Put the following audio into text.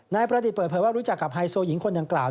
นายประดิษฐเปิดเผยว่ารู้จักกับไฮโซหญิงคนดังกล่าว